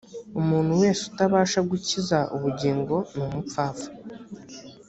umuntu wese utabasha gukiza ubugingo, ni umupfapfa